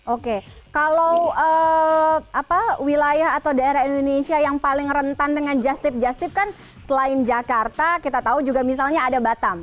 oke kalau wilayah atau daerah indonesia yang paling rentan dengan just tip justip kan selain jakarta kita tahu juga misalnya ada batam